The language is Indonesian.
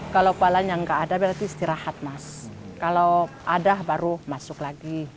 kalau palanya nggak ada berarti istirahat mas kalau ada baru masuk lagi